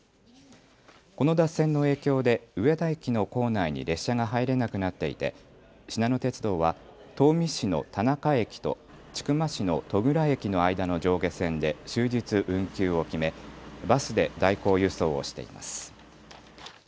この脱線の影響で上田駅の構内に列車が入れなくなっていてしなの鉄道は東御市の田中駅と千曲市の戸倉駅の間の上下線で終日運休を決め、バスで代行輸送をしています。